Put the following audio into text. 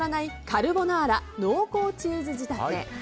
カルボナーラ濃厚チーズ仕立て。